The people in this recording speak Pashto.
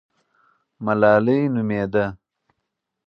ملالۍ نومېده.